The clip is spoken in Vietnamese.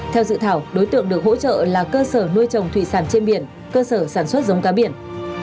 theo dự thảo đối tượng được hỗ trợ là cơ sở nuôi trồng thủy sản trên biển cơ sở sản xuất giống cá biển